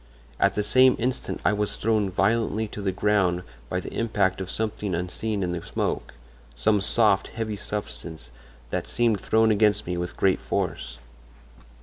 At the same instant I was thrown violently to the ground by the impact of something unseen in the smoke—some soft, heavy substance that seemed thrown against me with great force.